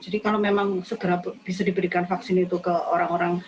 jadi kalau memang segera bisa diberikan vaksin itu ke orang orang